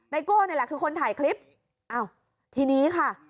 โก้นี่แหละคือคนถ่ายคลิปอ้าวทีนี้ค่ะ